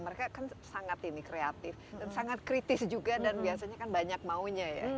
mereka kan sangat ini kreatif dan sangat kritis juga dan biasanya kan banyak maunya ya